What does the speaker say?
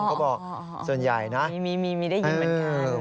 เขาบอกส่วนใหญ่นะมีได้ยินเหมือนกัน